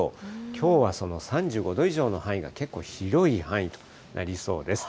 きょうはその３５度以上の範囲が結構広い範囲となりそうです。